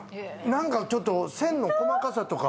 何かちょっと線の細かさとか。